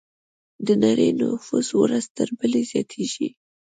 د نړۍ نفوس ورځ تر بلې زیاتېږي.